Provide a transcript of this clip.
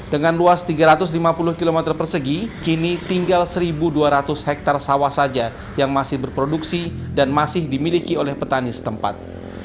dengan luas tiga ratus lima puluh km persegi kini tinggal satu dua ratus hektare sawah saja yang masih berproduksi dan masih dimiliki oleh petani setempat